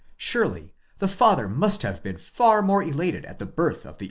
° surely the father must have been far more elated at the birth of the 4 Bahrdt, ut sup.